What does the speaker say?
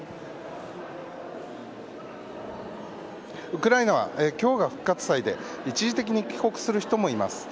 ウクライナは今日が復活祭で一時的に帰国する人もいます。